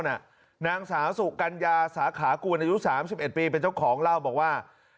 นางสาวสุกัญญาสาขากูลอายุ๓๑ปีเป็นเจ้าของเล่าบอกว่า